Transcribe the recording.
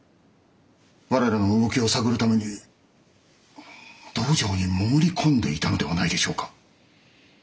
我らの動きを探るために道場に潜り込んでいたのではないでしょうか？